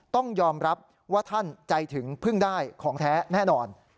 ต้องยอมรับว่าท่านใจถึงเพิ่งได้ของแท้แน่นอน